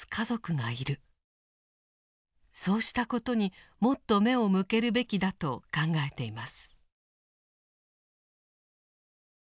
そうしたことにもっと目を向けるべきだと考えています。